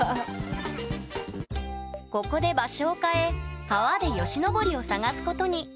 ここで場所を変え川でヨシノボリを探すことに。